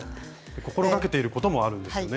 心がけていることもあるんですよね。